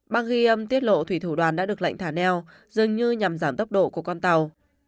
bang ghi âm tiết lộ thủy thủ đoàn đã được lệnh thả neo dường như nhằm giảm tốc độ của con tàu